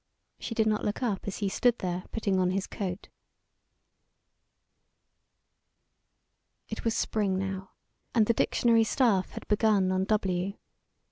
She did not look up as he stood there putting on his coat. It was spring now, and the dictionary staff had begun on W.